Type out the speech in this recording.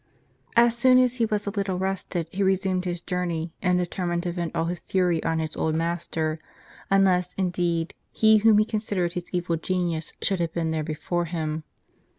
As soon as he was a little rested, he resumed his joui ney, and determined to vent all his fury on his old master ; unless, indeed, he whom he considered his evil genius should have been there before him.